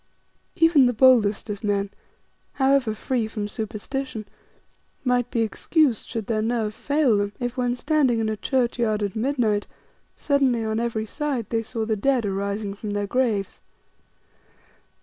Even the boldest of men, however free from superstition, might be excused should their nerve fail them if, when standing in a churchyard at midnight, suddenly on every side they saw the dead arising from their graves.